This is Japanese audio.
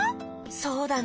そうだね。